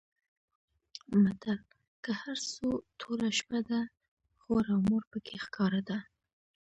متل؛ که هر څو توره شپه ده؛ خور او مور په کې ښکاره ده.